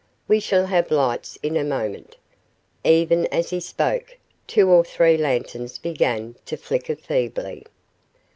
We shall have lights in a moment." Even as he spoke, two or three lanterns began to flicker feebly.